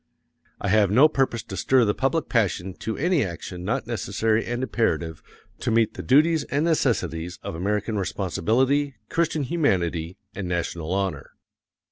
I have no purpose to stir the public passion to any action not necessary and imperative to meet the duties and necessities of American responsibility, Christian humanity, and national honor.